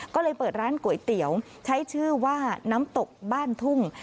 ก็เลยเปิดร้านก๋วยเตี๋ยวใช้ชื่อว่าน้ำตกบ้านทุ่ง